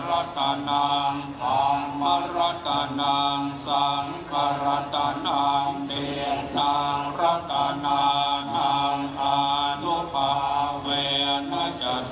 รูปที่หกพนตรวจเอกวิทยาชายสงเมตตารองผู้ประจการตำลวดแห่งชาติ